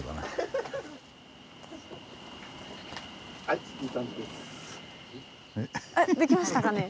あできましたかね。